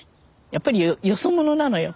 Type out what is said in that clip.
やっぱりよそ者なのよ。